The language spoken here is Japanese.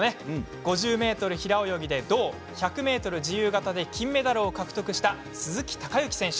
５０ｍ平泳ぎで銅１００ｍ自由形で金メダルを獲得した鈴木孝幸選手。